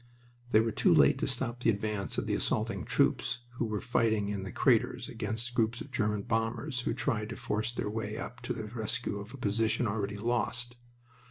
They were too late to stop the advance of the assaulting troops, who were fighting in the craters against groups of German bombers who tried to force their way up to the rescue of a position already lost.